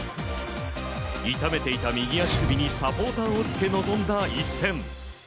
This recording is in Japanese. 痛めていた右足首にサポーターを着け臨んだ一戦。